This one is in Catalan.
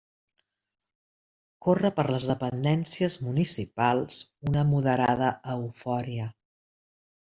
Corre per les dependències municipals una moderada eufòria.